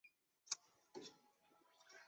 两个种族就这么保持松散的关系许多年。